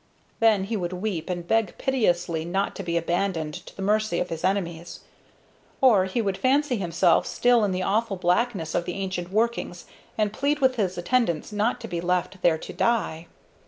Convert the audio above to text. Then he would weep, and beg piteously not to be abandoned to the mercy of his enemies; or he would fancy himself still in the awful blackness of the ancient workings, and plead with his attendants not to be left thereto die.